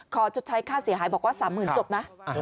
ชดใช้ค่าเสียหายบอกว่า๓๐๐๐จบนะ